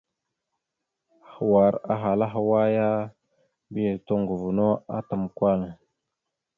Hwar ahala hwa ya, mbiyez toŋgov no atam Kwal.